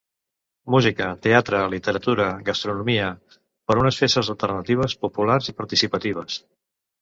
Música, teatre, literatura, gastronomia… Per unes festes alternatives, populars i participatives.